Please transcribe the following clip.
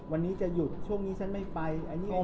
วันนี้จะหยุดช่วงนี้ฉันไม่ไปอันนี้อันนี้อันนี้